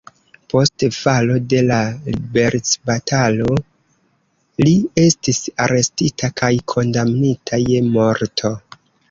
Post falo de la liberecbatalo li estis arestita kaj kondamnita je morto.